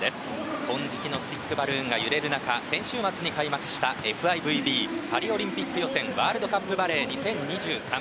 金色のスティックバルーンが揺れる中、先週末に開幕したＦＩＶＢパリオリンピック予選ワールドカップバレー２０２３。